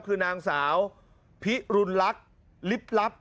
คือนางสาวพิรุณลักษณ์ลิบลับ